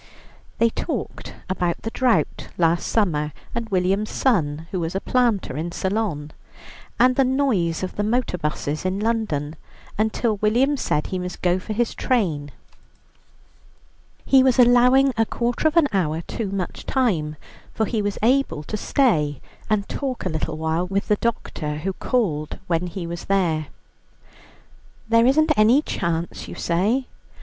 They talked about the drought last summer, and William's son, who was a planter in Ceylon, and the noise of the motor buses in London, until William said he must go for his train. He was allowing a quarter of an hour too much time, for he was able to stay and talk a little while with the doctor, who called when he was there. "There isn't any chance, you say."